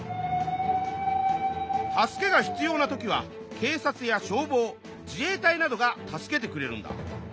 助けが必要な時はけい察や消防自衛隊などが助けてくれるんだ。